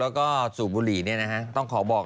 แล้วก็สูบบุหรี่ต้องขอบอก